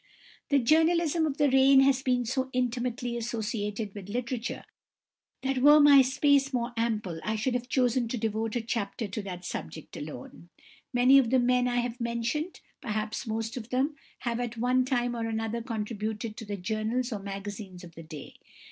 The journalism of the reign has been so intimately associated with literature that were my space more ample I should have chosen to devote a chapter to that subject alone. Many of the men I have mentioned, perhaps most of them, have at one time or another contributed to the journals or magazines of the day.